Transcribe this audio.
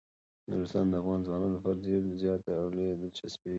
نورستان د افغان ځوانانو لپاره ډیره زیاته او لویه دلچسپي لري.